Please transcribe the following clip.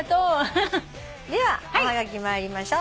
ではおはがき参りましょう。